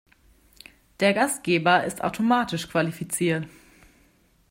Der Gastgeber ist automatisch qualifiziert.